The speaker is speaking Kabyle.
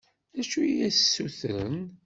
D acu i as-d-ssutren?